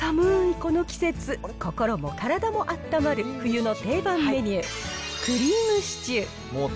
この季節、心も体もあったまる冬の定番メニュー、クリームシチュー。